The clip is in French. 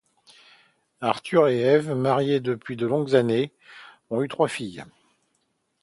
Arthur et Eve, mariés depuis de longues années, ont eu trois filles.